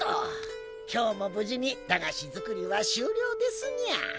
今日もぶじに駄菓子作りは終了ですにゃ。